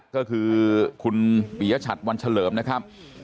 ก็คือคุณปียชัดวันเฉลิมนะครับ